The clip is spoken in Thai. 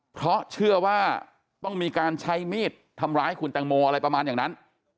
เพราะเชื่อว่าต้องมีการใช้มีดทำร้ายคุณแตงโมอะไรประมาณอย่างนั้น